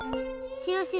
しろしろ。